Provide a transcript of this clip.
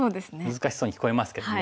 難しそうに聞こえますけどね。